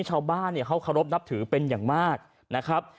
ชาวบ้านเขารบนับถือเป็นอย่างมากนะครับ